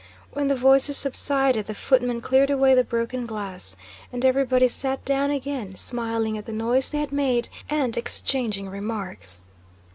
When the voices subsided, the footmen cleared away the broken glass and everybody sat down again, smiling at the noise they had made and exchanging remarks.